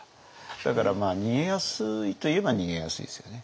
だから逃げやすいといえば逃げやすいですよね。